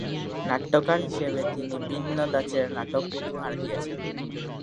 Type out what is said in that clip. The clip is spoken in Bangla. নাট্যকার হিসেবে তিনি ভিন্ন ধাঁচের নাটক উপহার দিয়েছেন।